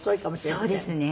そうですね。